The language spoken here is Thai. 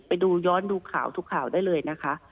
ไปดูย้อนดูข่าวทุกข่าวได้เลยนะคะ